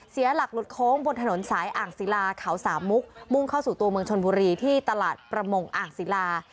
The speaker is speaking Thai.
เสียหลักหลุดโค้งบนถนนสายอ่างศิลาเขาสามมุกมุ่งเข้าสู่ตัวเมืองชนบุรีที่ตลาดประมงอ่างศิลา